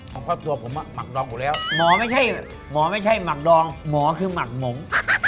ความภับสั่วผมมักดองกูแล้วหมอไม่ใช่หมักดองหมอคือมักหมง